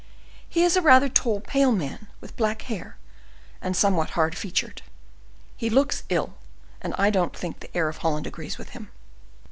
He is a rather tall, pale man, with black hair, and somewhat hard featured. He looks ill, and I don't think the air of Holland agrees with him."